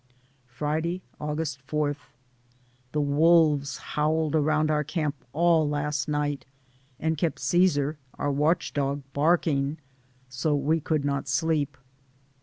Friday, August 4. The wolves howled around our camp all last night and kept Caesar — our watch dog — barking; so we could not sleep.